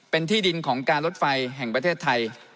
เป็นที่ดินของการรถไฟแห่งประเทศไทย